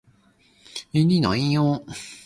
我姑姐住喺深水灣深水灣道八號